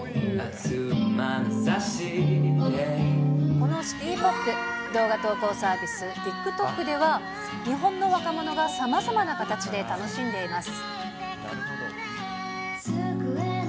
このシティポップ、動画投稿サイト、ＴｉｋＴｏｋでは、日本の若者がさまざまな形で楽しんでいます。